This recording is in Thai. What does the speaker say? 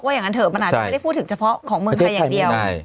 อย่างนั้นเถอะมันอาจจะไม่ได้พูดถึงเฉพาะของเมืองไทยอย่างเดียว